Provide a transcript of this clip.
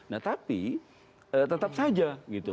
nah tapi tetap saja gitu